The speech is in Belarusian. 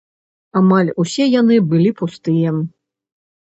Амаль усе яны былі пустыя!